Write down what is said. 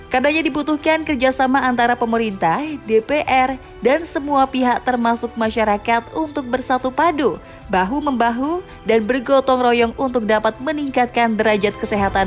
karena diputuhkan kerjasama antara pemerintah dpr dan semua pihak termasuk masyarakat untuk bersatu padu bahu membahu dan bergotong royong untuk dapat meningkatkan derajat kesehatan